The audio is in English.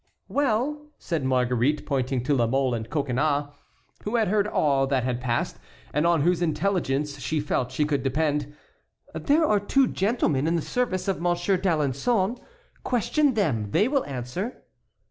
"Well!" said Marguerite, pointing to La Mole and Coconnas, who had heard all that had passed, and on whose intelligence she felt she could depend, "there are two gentlemen in the service of Monsieur d'Alençon; question them; they will answer."